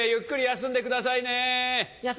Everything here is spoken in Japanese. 休んでくださいね。